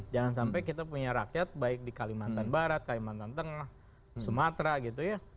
jangan sampai kita punya rakyat baik di kalimantan barat kalimantan tengah sumatera gitu ya